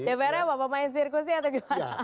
dpr nya apa pemain sirkusnya atau gimana